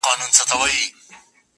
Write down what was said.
شور د کربلا کي به د شرنګ خبري نه کوو!.